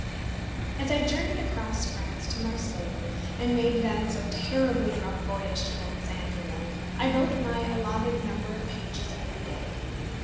As I journeyed across France to Marseilles, and made thence a terribly rough voyage to Alexandria, I wrote my allotted number of pages every day.